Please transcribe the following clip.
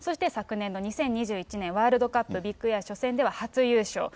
昨年の２０２１年ワールドカップビッグエア初戦では初優勝。